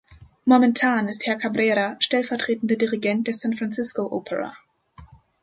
Momentan ist Herr Cabrera stellvertretender Dirigent der San Francisco Opera.